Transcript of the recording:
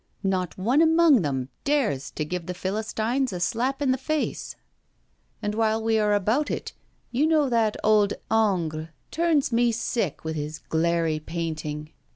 Not one among them dares to give the philistines a slap in the face. And, while we are about it, you know that old Ingres turns me sick with his glairy painting.